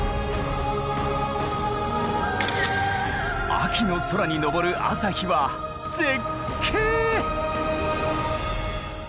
秋の空に昇る朝日は絶景！